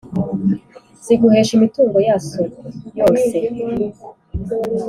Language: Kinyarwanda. ziguhesha imitungo yaso yose